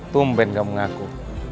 tumben kamu ngaku